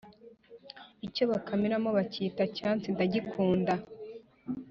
Icyo bakamiramo bacyita cyansi ndagikunda